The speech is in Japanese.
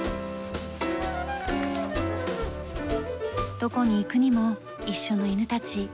どこに行くにも一緒の犬たち。